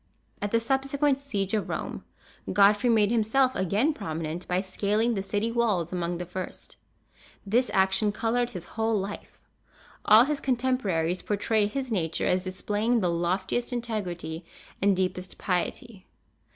At the subsequent siege of Rome, Godfrey made himself again prominent by scaling the city walls among the first. This action colored his whole life. All his contemporaries portray his nature as displaying the loftiest integrity and deepest piety.